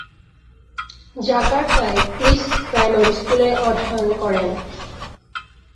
জাকার্তায় Chris primary স্কুলে অধ্যয়ন করেন।